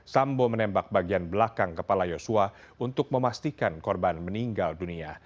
sambo menembak bagian belakang kepala yosua untuk memastikan korban meninggal dunia